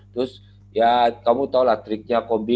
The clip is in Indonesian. terus ya kamu tahulah triknya kombi